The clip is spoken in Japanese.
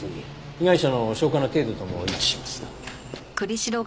被害者の消化の程度とも一致します。